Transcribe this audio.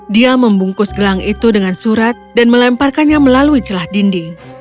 dia membungkus gelang itu dengan surat dan melemparkannya melalui celah dinding